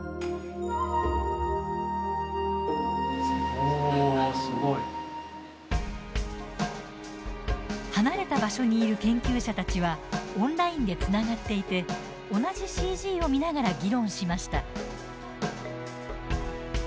おお、すごい。離れた場所にいる研究者たちはオンラインでつながっていて同じＣＧを見ながら議論しました。